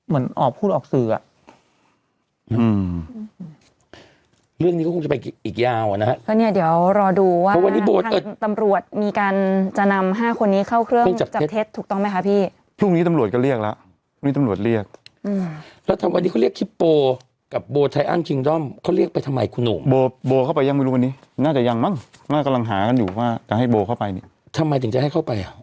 เรื่องนี้ก็คงจะไปอีกยาวอะนะฮะเพราะเนี้ยเดี๋ยวรอดูว่าวันนี้ตำรวจมีการจะนำห้าคนนี้เข้าเครื่องจับเท็จถูกต้องไหมคะพี่พรุ่งนี้ตำรวจก็เรียกแล้ววันนี้ตำรวจเรียกอืมแล้วถ้าวันนี้เขาเรียกกับเขาเรียกไปทำไมคุณหนูโบโบเข้าไปยังไม่รู้วันนี้น่าจะยังมั้งน่ากำลังหากันอยู่ว่าจะให้โบเข